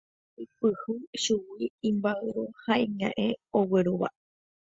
aipyhy chugui imba'yru ha iña'ẽ oguerúva